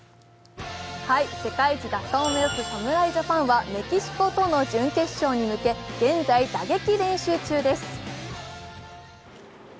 世界一奪還を目指す侍ジャパンはメキシコとの準決勝に向けて現在、打撃練習中です。